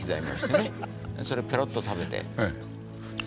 それをペロッと食べて。